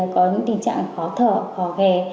có những tình trạng khó thở khó ghè